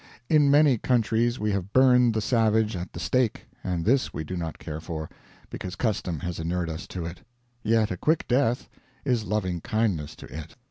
In many countries we have burned the savage at the stake; and this we do not care for, because custom has inured us to it; yet a quick death is loving kindness to it.